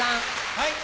はい。